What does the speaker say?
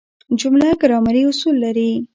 جمله ګرامري اصول لري.